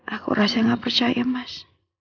aku rasa gak percaya mas